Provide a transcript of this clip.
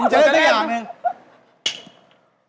เจอสังคมอย่างนึง